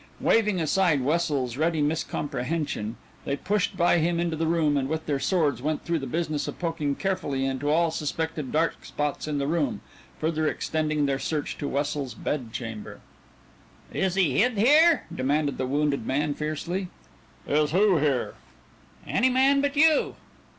Waving aside Wessel's ready miscomprehension, they pushed by him into the room and with their swords went through the business of poking carefully into all suspected dark spots in the room, further extending their search to Wessel's bedchamber. "Is he hid here?" demanded the wounded man fiercely. "Is who here?" "Any man but you."